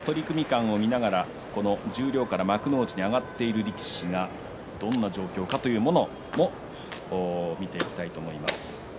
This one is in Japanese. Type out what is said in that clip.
また取組間を見ながら十両から幕内に上がっている力士がどんな状況かというところも見ていきたいと思います。